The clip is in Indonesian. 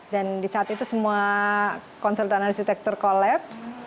dan di saat itu semua konsultan arsitektur kolaps